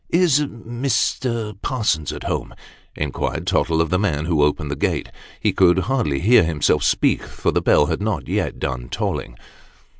" Is Mr. Parsons at home ?" inquired Tottle of the man who opened the gate. He could hardly hear himself speak, for the bell had not yet done tolling.